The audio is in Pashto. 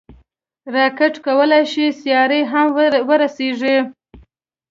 راکټ کولی شي سیارې هم ورسیږي